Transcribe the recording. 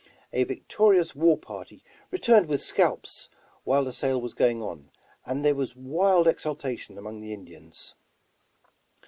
A victorious war party returned with scalps while the sale was going on, and there was wild exulta tion among the Indians.